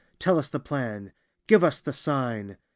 Tell us the Plan; give us the Sign!